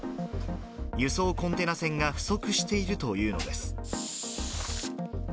輸送コンテナ船が不足しているというのです。